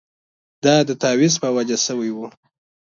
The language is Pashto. دا د تاویز په وجه شوې وه.